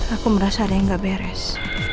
aku merasa ada yang gak beres